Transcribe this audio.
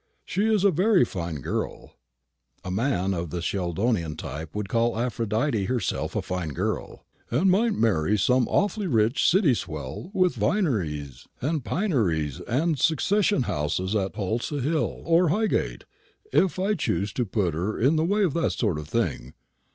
She's a very fine girl" (a man of the Sheldonian type would call Aphrodité herself a fine girl), "and might marry some awfully rich City swell with vineries and pineries and succession houses at Tulse hill or Highgate, if I chose to put her in the way of that sort of thing.